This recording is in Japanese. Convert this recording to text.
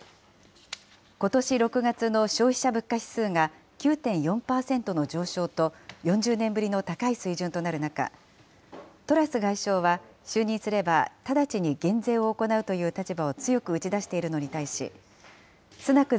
ことし６月の消費者物価指数が９．４％の上昇と４０年ぶりの高い水準となる中、トラス外相は就任すれば、直ちに減税を行うという立場を強く打ち出しているのに対し、スナク